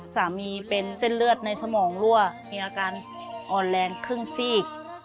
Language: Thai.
สามีเป็นเส้นเลือดในสมองรั่วมีอาการอ่อนแรงครึ่งซีก